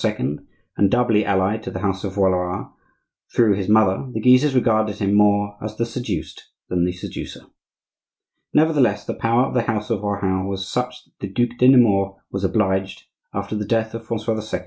and doubly allied to the house of Valois through his mother, the Guises regarded him more as the seduced than the seducer. Nevertheless, the power of the house of Rohan was such that the Duc de Nemours was obliged, after the death of Francois II.